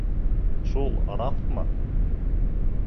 Шул раҫмы?